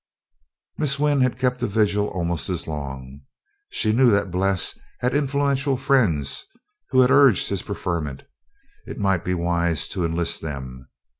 Miss Wynn had kept a vigil almost as long. She knew that Bles had influential friends who had urged his preferment; it might be wise to enlist them.